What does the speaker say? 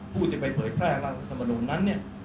ผู้จะไปเผยแพร่รัฐธรรมนูลนั้นเนี่ย